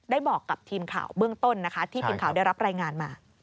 บอกกับทีมข่าวเบื้องต้นนะคะที่ทีมข่าวได้รับรายงานมา